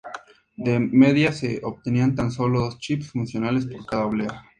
De media se obtenían tan solo dos chips funcionales por cada oblea.